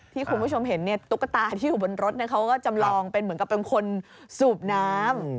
ที่คุณผู้ชมเห็นตุ๊กตาที่อยู่บนรถเขาก็จำลองเป็นเหมือนกับเป็นคนสูบน้ำ